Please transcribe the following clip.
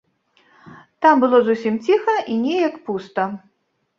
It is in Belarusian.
Там было зусім ціха і неяк пуста.